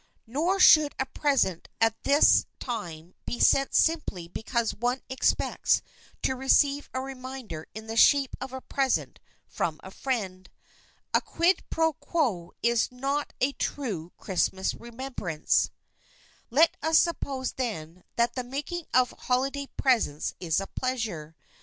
Nor should a present at this time be sent simply because one expects to receive a reminder in the shape of a present from a friend. A quid pro quo is not a true Christmas remembrance. [Sidenote: TO PREVENT DUPLICATION] Let us suppose then, that the making of holiday presents is a pleasure.